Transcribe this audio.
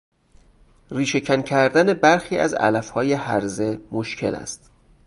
ریشه کن کردن برخی از علفهای هرزه مشکل است.